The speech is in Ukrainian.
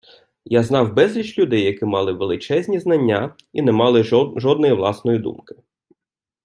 Я знав безліч людей, які мали величезні знання і не мали жодної власної думки.